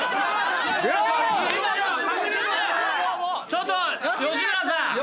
ちょっと吉村さん